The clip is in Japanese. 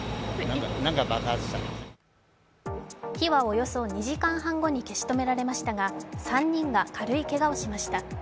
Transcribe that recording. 火はおよそ２時間半後に消し止められましたが３人が軽いけがをしました。